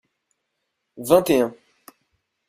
Vingt et un.